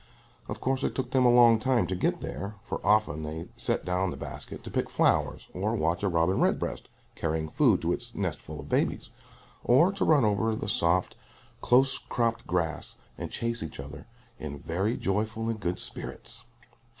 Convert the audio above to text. Of course, it took them a long time to get there, for often they set down the basket to pick flowers or watch a robin redbreast carrying food to its nest full of babies, or to run over the soft, close cropped grass and chase each other, in very joyful and good spirits.